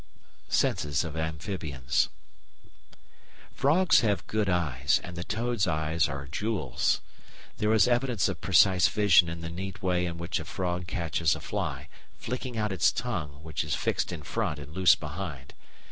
Senses of Amphibians Frogs have good eyes, and the toad's eyes are "jewels." There is evidence of precise vision in the neat way in which a frog catches a fly, flicking out its tongue, which is fixed in front and loose behind.